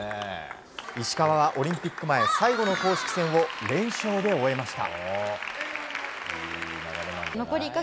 石川はオリンピック前最後の公式戦を連勝で終えました。